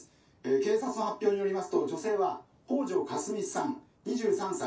警察の発表によりますと女性は北條かすみさん２３歳。